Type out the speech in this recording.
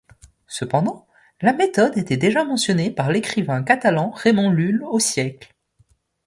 Cependant la méthode était déjà mentionnée par l'écrivain catalan Raymond Lulle au siècle.